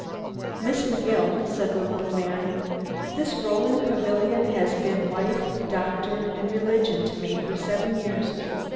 "Miss McGill," said the little man, "this rolling pavilion has been wife, doctor, and religion to me for seven years.